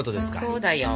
そうだよ。